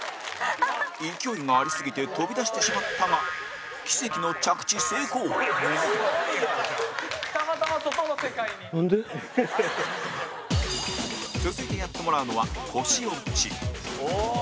勢いがありすぎて飛び出してしまったが奇跡の着地成功続いてやってもらうのは腰落ち高橋：おおー！